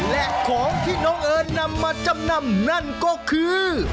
และของที่น้องเอิญนำมาจำนำนั่นก็คือ